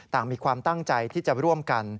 ต่างมีความตั้งใจที่จะร่วมกัน